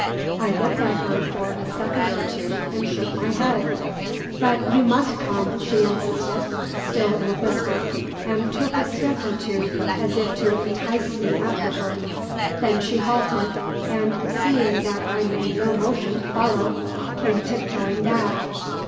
I looked at her for a second or two, and shook my head. "But you must come," she insisted, still in a whisper, and took a step or two as if to entice me after her. Then she halted, and, seeing that I made no motion to follow, came tip toeing back.